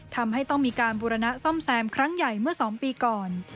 ทำให้ต้องมีการบูรณะซ่อมแซมครั้งใหญ่เมื่อ๒ปีก่อน